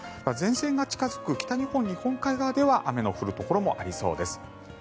前線が近付く北日本の日本海側では雨の降るところもありそうです。